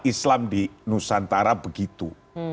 islam di nusantara begitu